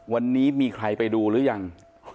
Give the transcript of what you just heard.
วันนี้มีใครไปดูหรือยัง